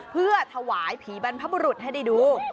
เพื่อถวายผีบรรพบุรุษให้ได้ดู